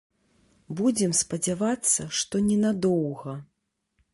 Будзем спадзявацца, што не на доўга.